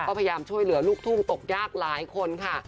ก็พยายามช่วยเหลือลูกทุ่งตกยากหลายคนค่ะ